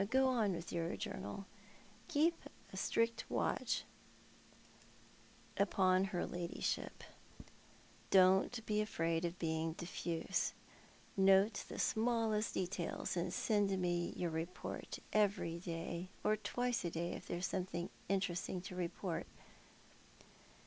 ♦' Go on with yoar journal. Keep a strict watch upon her 2 24 ThoiL art the Man. ladyship. Don't ba afraid of being diffase. Note the smallest details, and send me your report every day, or twice a day if there is anything serious to report."